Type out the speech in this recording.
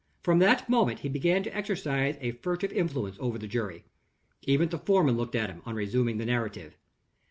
From that moment he began to exercise a furtive influence over the jury. Even the foreman looked at him, on resuming the narrative.